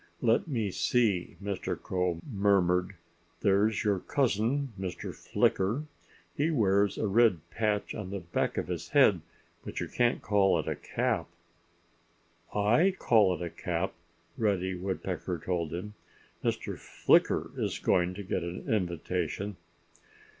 "Let me see," Mr. Crow murmured. "There's your cousin Mr. Flicker. He wears a red patch on the back of his head. But you can't call it a cap." "I call it a cap," Reddy Woodpecker told him. "Mr. Flicker is going to get an invitation."